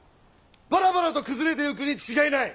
バラバラと崩れてゆくに違いない！